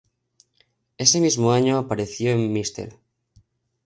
Ese mismo año apareció en "Mr.